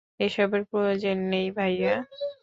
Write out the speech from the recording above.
এসবের প্রয়োজন নেই, ভাইয়া।